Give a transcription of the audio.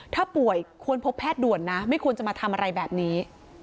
ถ้าป่วยควรพบแพทย์ด่วนนะไม่ควรจะมาทำอะไรแบบนี้